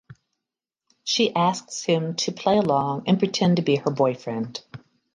She asks him to play along and pretend to be her boyfriend.